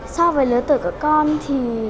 so với lớn tuổi của con thì